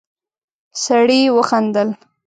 سړی وخندل.